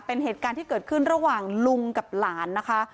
เป็นเหตุการณ์ที่เกิดขึ้นระหว่างลุงกับหลานนะคะ